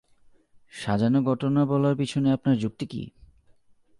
সাজানো ঘটনা বলার পিছনে আপনার যুক্তি কী?